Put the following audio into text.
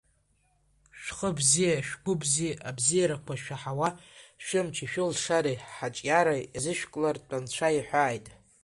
Шәхы бзиа, шәгәы бзиа, абзиарақәа шәаҳауа, шәымчи шәылшареи ҳаҿиара иазышәклартә Анцәа иҳәааит!